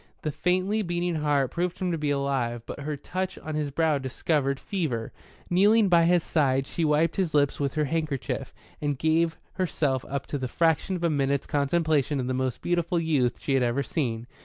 The faintly beating heart proved him to be alive, but her touch on his brow discovered fever. Kneeling by his side, she wiped his lips with her handkerchief, and gave herself up to the fraction of a minute's contemplation of the most beautiful youth she had ever seen.